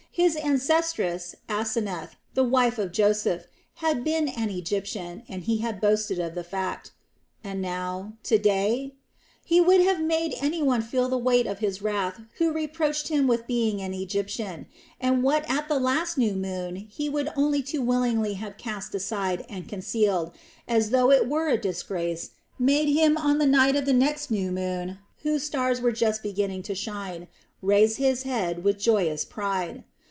His ancestress Asenath, the wife of Joseph, had been an Egyptian and he had boasted of the fact. And now, to day? He would have made any one feel the weight of his wrath who reproached him with being an Egyptian; and what at the last new moon he would only too willingly have cast aside and concealed, as though it were a disgrace, made him on the night of the next new moon whose stars were just beginning to shine, raise his head with joyous pride.